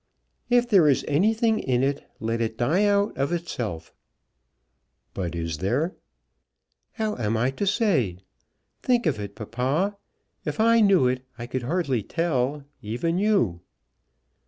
"If there is anything in it, let it die out of itself." "But is there?" "How am I to say? Think of it, papa. If I knew it, I could hardly tell, even you."